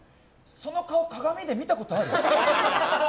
その顔、鏡で見たことある？